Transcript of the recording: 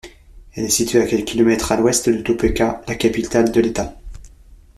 Elle est située à quelques kilomètres à l'ouest de Topeka, la capitale de l'État.